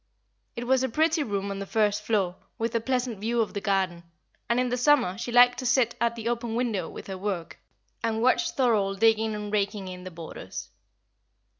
It was a pretty room on the first floor, with a pleasant view of the garden, and in summer she liked to sit at the open window with her work, and watch Thorold digging and raking in the borders.